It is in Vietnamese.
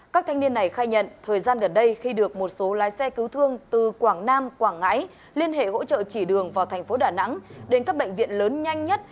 các thanh niên này khai nhận thời gian gần đây khi được một số lái xe cứu thương từ quảng nam quảng ngãi liên hệ hỗ trợ chỉ đường vào thành phố đà nẵng đến các bệnh viện lớn nhanh nhất